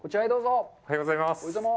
おはようございます。